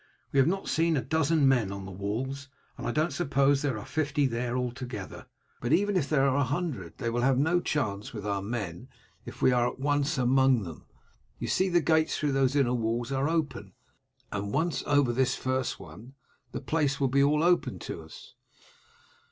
We have not seen a dozen men on the walls, and I don't suppose there are fifty there altogether. But even if there are a hundred, they will have no chance with our men if we are once among them. You see the gates through those inner walls are open, and once over this first one the place will be all open to us."